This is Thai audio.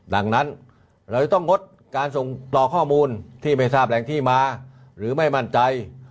ดังนั้นเราจะต้องงดการส่งต่อข้อมูลที่ไม่ทราบแหล่งที่มาหรือไม่มั่นใจ